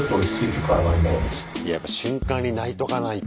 やっぱ瞬間に泣いとかないと。